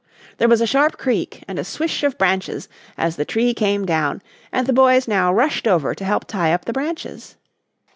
] There was a sharp creak and a swish of branches as the tree came down, and the boys now rushed over to help tie up the branches.